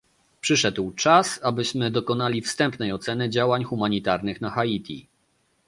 Przyszedł czas, abyśmy dokonali wstępnej oceny działań humanitarnych na Haiti